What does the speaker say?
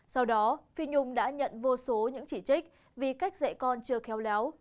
sau đó phi nhung đã nhận vô số những chỉ trích vì cách dạy con chưa khéo léo